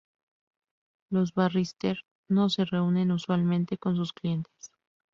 Los "barrister" no se reúnen usualmente con sus clientes.